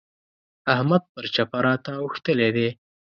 احمد پر چپه راته اوښتلی دی.